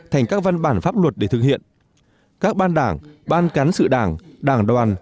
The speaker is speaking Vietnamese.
thành các văn bản pháp luật để thực hiện các ban đảng ban cán sự đảng đảng đoàn